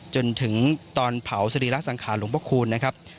จนถึงตอนเผาศรีรักษ์สังขาลหลวงพระคุณ